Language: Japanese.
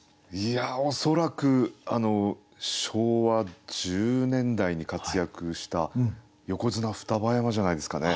恐らく昭和１０年代に活躍した横綱双葉山じゃないですかね。